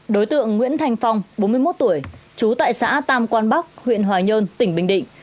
đối tượng nguyễn thanh phong bốn mươi một tuổi trú tại xã tam quan bắc huyện hoài nhơn tỉnh bình định